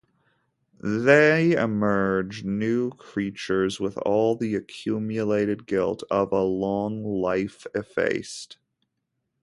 They emerge new creatures, with all the accumulated guilt of a long life effaced.